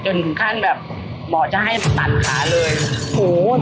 ถึงขั้นแบบหมอจะให้ตัดขาเลยโห